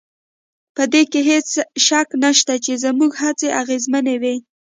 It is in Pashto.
په دې کې هېڅ شک نشته چې زموږ هڅې اغېزمنې وې